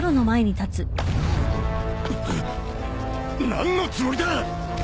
・何のつもりだ！